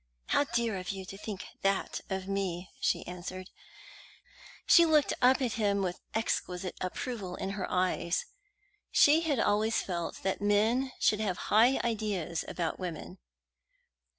"How dear of you to think that of me!" she answered. She looked up at him with exquisite approval in her eyes. She had always felt that men should have high ideas about women.